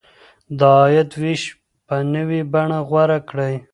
د عاید وېش به نوې بڼه غوره کړي.